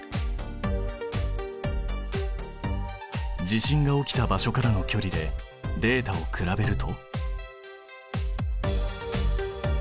地震が起きた場所からのきょりでデータを比べると？